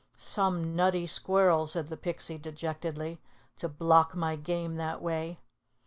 "Some nutty squirrel," said the Pixie dejectedly, "to block my game that way!"